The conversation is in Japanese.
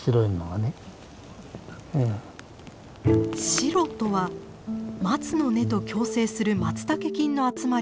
「シロ」とは松の根と共生するマツタケ菌の集まり。